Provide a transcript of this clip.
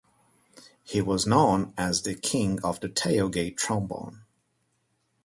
He was known as "The King of the Tailgate Trombone".